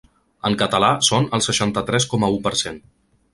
En català són el seixanta-tres coma u per cent.